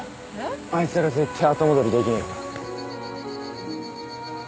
あいつら絶対後戻りできねえから。